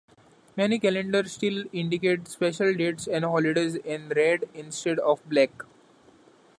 Many calendars still indicate special dates and holidays in red instead of black.